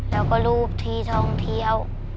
แล้วก็รูปที่ท่องเที่ยว